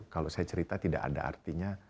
kalau saya cerita tidak ada artinya